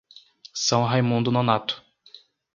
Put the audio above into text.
São Raimundo Nonato